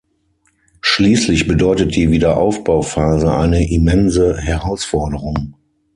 Schließlich bedeutet die Wiederaufbauphase eine immense Herausforderung.